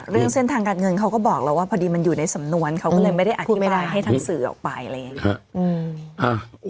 เรื่องเส้นทางการเงินเขาก็บอกแล้วว่าพอดีมันอยู่ในสำนวนเขาก็เลยไม่ได้อธิบายให้ทางสื่อออกไปอะไรอย่างนี้